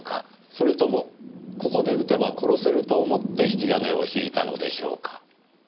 それともここで撃てば殺せると思って引き金を引いたのでしょうか？